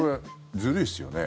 ずるいですよね。